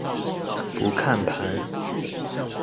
不看盤